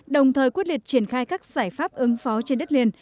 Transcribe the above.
đồng thời quyết liệt triển khai các giải pháp ứng phó trên đất liền